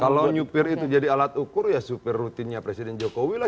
kalau nyupir itu jadi alat ukur ya supir rutinnya presiden jokowi lah